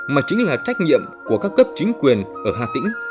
mà chính là trách nhiệm của các cấp chính quyền ở hà tĩnh